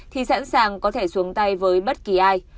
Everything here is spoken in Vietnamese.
thì sẵn sàng có thể xuống tay với bất kỳ ai